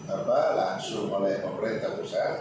apa langsung oleh pemerintah pusat